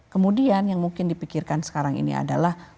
kemudian yang mungkin dipikirkan sekarang ini adalah